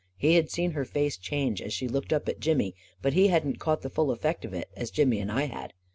He had seen her face change as she looked up at Jimmy, but he hadn't caught the full effect of it, as Jimmy and I had.